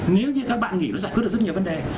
nếu như các bạn nghỉ nó giải quyết được rất nhiều vấn đề